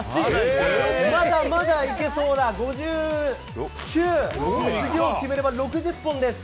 まだまだいけそうだ、５９、次を決めれば６０本です。